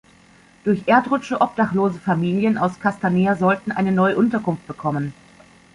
Durch Erdrutsche obdachlose Familien aus Castanea sollten eine neue Unterkunft bekommen.